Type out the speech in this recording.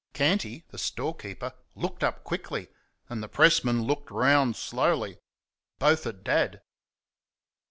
Canty, the storekeeper, looked up quickly, and the pressman looked round slowly both at Dad.